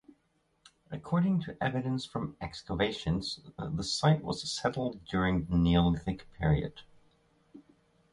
According to evidence from excavations, the site was settled during the Neolithic period.